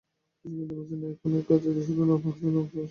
বিসিবির নির্বাচনে এখন তাই কার্যত শুধু নাজমুল হাসানের পক্ষই অংশ নিচ্ছে।